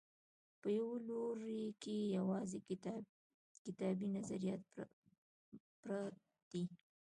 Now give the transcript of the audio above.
په یوه لوري کې یوازې کتابي نظریات پرت دي.